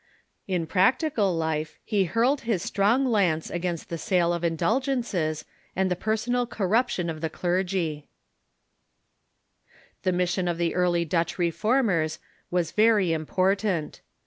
In practical life, he hurled his strong lance against the sale of indulgences and the personal corruption of the clergy. THE HUMANISM OF ITALY 207 The mission of tbe early Dutch Reformers was verj^ impor tant.